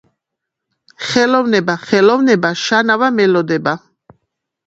ხელოვნება ხელოვნება შანავა მელოდება